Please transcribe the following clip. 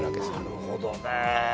なるほどね。